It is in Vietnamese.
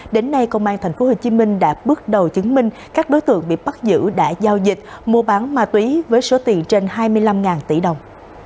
đến nay công an tp hcm đã bước đầu chứng minh các đối tượng bị bắt giữ đã giao dịch mua bán ma túy với số tiền trên hai mươi năm tỷ đồng